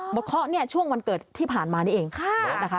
เคาะเนี่ยช่วงวันเกิดที่ผ่านมานี่เองนะคะ